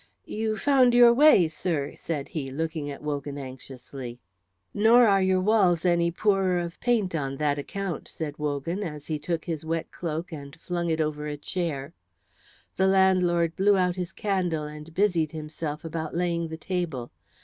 "You found your way, sir," said he, looking at Wogan anxiously. "Nor are your walls any poorer of paint on that account," said Wogan as he took his wet cloak and flung it over a chair. The landlord blew out his candle and busied himself about laying the table.